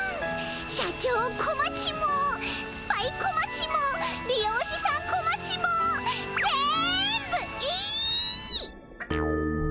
社長小町もスパイ小町も理容師さん小町も全部いい！